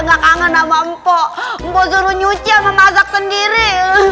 nggak kangen nama mp empat suruh nyuci memasak sendiri